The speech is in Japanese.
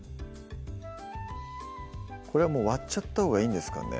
これはもう割っちゃったほうがいいんですかね？